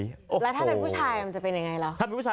แล้วถ้าเป็นผู้ชายมันจะเป็นยังไงล่ะ